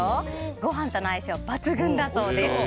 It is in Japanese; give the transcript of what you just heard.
ご飯との相性抜群だそうです。